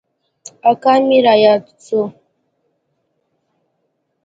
اکا مې راياد سو.